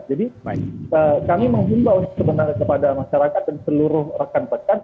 jadi kami menghimbau sebenarnya kepada masyarakat dan seluruh rekan rekan